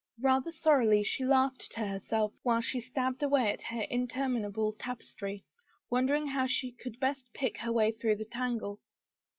Rather sorrily she laughed to herself while she stabbed away at her interminable tapestry, wondering how she could best pick her way through the tangle.